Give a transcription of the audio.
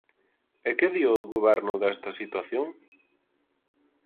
¿E que di o Goberno desta situación?